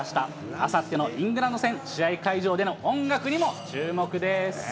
あさってのイングランド戦、試合会場での音楽にも注目です。